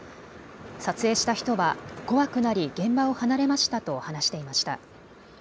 撮影した人は怖くなり現場を離れましたと話していました。